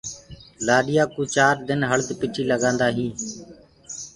لآڏيآ ڪوُ چآر دن هݪد پِٺيٚ لگآندآ هينٚ۔